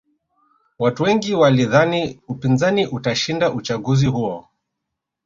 watu wengi walidhani upinzani utashinda uchaguzi huo